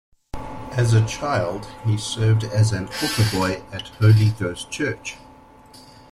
As a child, he served as an altar boy at Holy Ghost Church.